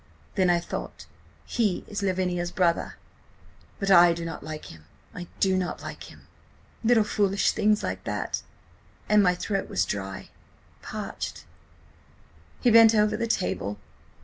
Then I thought: 'He is Lavinia's brother, but I do not like him; I do not like him. .. '–little foolish things like that–and my throat was dry–parched. "He bent over the table.